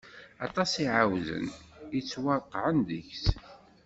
Aṭas i iɛawden, yettwareqɛen deg-s.